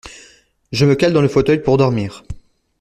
Je me cale dans le fauteuil pour dormir.